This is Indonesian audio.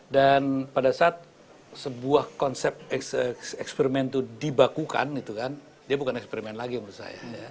dan pada saat sebuah konsep eksperimentu dibakukan gitu kan dia bukan eksperiment lagi menurut saya